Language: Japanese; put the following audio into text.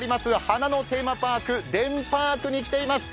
花のテーマパーク、デンパークに来ています。